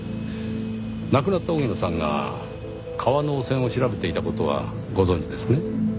亡くなった荻野さんが川の汚染を調べていた事はご存じですね？